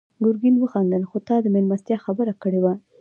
ګرګين وخندل: خو تا د مېلمستيا خبره کړې وه.